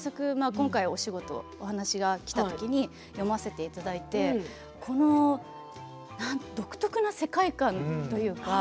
今回、お話がきた時に読ませていただいて独特な世界観というか。